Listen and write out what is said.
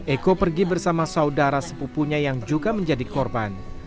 eko pergi bersama saudara sepupunya yang juga menjadi korban